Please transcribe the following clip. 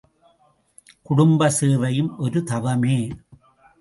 குடும்ப சேவையும் ஒரு தவமே!